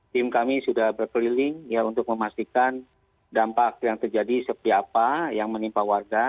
tim kami sudah berkeliling ya untuk memastikan dampak yang terjadi seperti apa yang menimpa warga